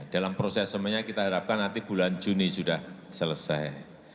dalam proses semuanya kita harapkan nanti bulan juni sudah selesai